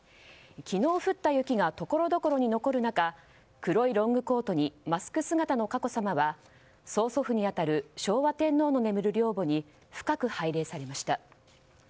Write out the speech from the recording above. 昨日降った雪がところどころに残る中黒いロングコートにマスク姿の佳子さまは曾祖父に当たる昭和天皇の眠る陵墓に深く拝礼されました。